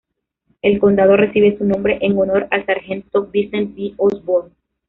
El condado recibe su nombre en honor al sargento Vincent B. Osborne.